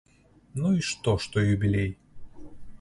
Ну і што, што юбілей?